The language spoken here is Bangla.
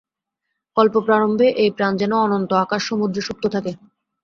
কল্প-প্রারম্ভে এই প্রাণ যেন অনন্ত আকাশ-সমুদ্রে সুপ্ত থাকে।